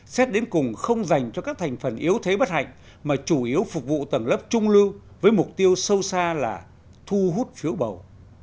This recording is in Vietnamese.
xét đến cùng không dành cho các thành phần yếu thế bất hạnh mà chủ yếu phục vụ tầng lớp trung lưu với mục tiêu sâu xa là thu hút phiếu bầu